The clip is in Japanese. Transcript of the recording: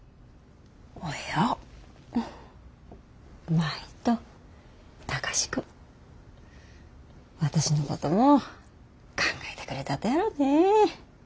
舞と貴司君私のことも考えてくれたとやろうね。